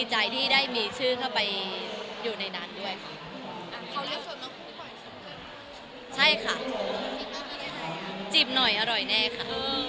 จิบหน่อยอร่อยแน่ค่ะ